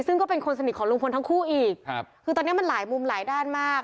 ซึ่งก็เป็นคนสนิทของลุงพลทั้งคู่อีกครับคือตอนนี้มันหลายมุมหลายด้านมาก